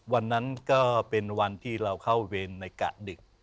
วันนั้นก็เป็นวันที่เราเข้าเวรในกะดึก